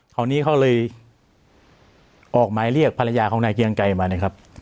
คราวนี้เขาเลยออกหมายเรียกภรรยาของนายเกียงไกรมานะครับ